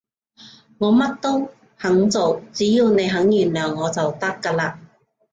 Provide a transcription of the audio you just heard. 我乜都肯做，只要你肯原諒我就得㗎喇